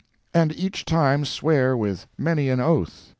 And each time swear with many an oath.